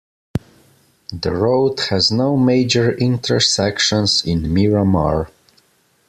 The road has no major intersections in Miramar.